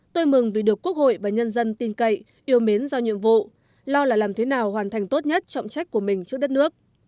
tôi mừng vì được quốc hội và nhân dân tin cậy yêu mến giao nhiệm vụ lo là làm thế nào hoàn thành tốt nhất trọng trách của mình trước đất nước